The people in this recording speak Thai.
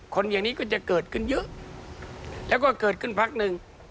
คนอย่างนี้ก็จะเกิดขึ้นเยอะแล้วก็เกิดขึ้นพักหนึ่ง